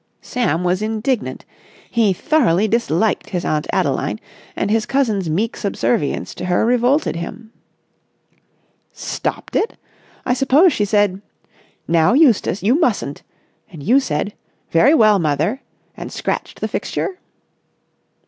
Sam was indignant. He thoroughly disliked his Aunt Adeline, and his cousin's meek subservience to her revolted him. "Stopped it? I suppose she said 'Now, Eustace, you mustn't!' and you said 'Very well, mother!' and scratched the fixture?"